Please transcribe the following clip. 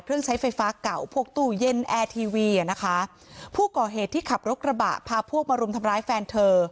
ใช้ไฟฟ้าเก่าพวกตู้เย็นแอร์ทีวีอ่ะนะคะผู้ก่อเหตุที่ขับรถกระบะพาพวกมารุมทำร้ายแฟนเธอ